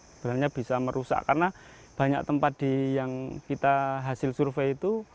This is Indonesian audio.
sebenarnya bisa merusak karena banyak tempat yang kita hasil survei itu